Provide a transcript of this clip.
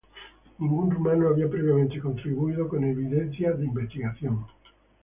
Ningún rumano había previamente contribuido con evidencias de investigación.